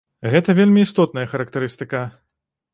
Гэта вельмі істотная характарыстыка.